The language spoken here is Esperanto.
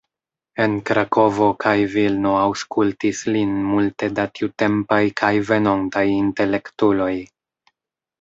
En Krakovo kaj Vilno aŭskultis lin multe da tiutempaj kaj venontaj intelektuloj.